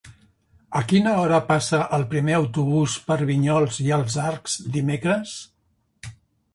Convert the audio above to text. A quina hora passa el primer autobús per Vinyols i els Arcs dimecres?